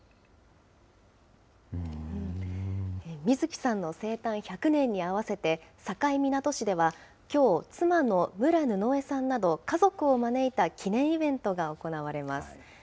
水木さんの生誕１００年に合わせて、境港市ではきょう、妻の武良布枝さんなど家族を招いた記念イベントが行われます。